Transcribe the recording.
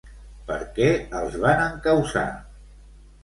Per què els van encausar?